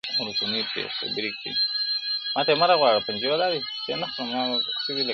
او رسنۍ پرې خبري کوي.